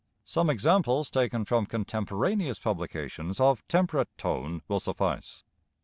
Some examples taken from contemporaneous publications of temperate tone, will suffice.